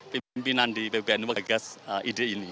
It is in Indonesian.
pimpinan di pbnu pusat